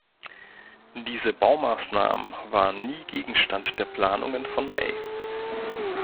Diese Baumaßnahmen waren nie Gegenstand der Planungen von May.